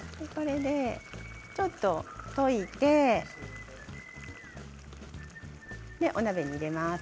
ちょっと溶いてお鍋に入れます。